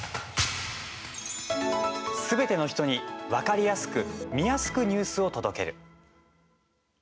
すべての人に分かりやすく見やすく、ニュースを届ける。